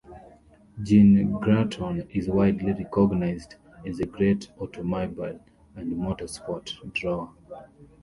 Jean Graton is widely recognized as a great automobile and motorsport drawer.